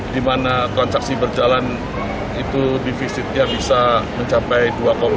di mana transaksi berjalan itu defisitnya bisa mencapai dua lima